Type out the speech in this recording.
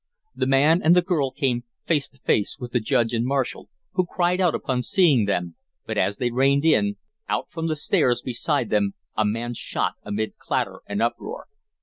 The man and the girl came face to face with the Judge and marshal, who cried out upon seeing them, but as they reined in, out from the stairs beside them a man shot amid clatter and uproar.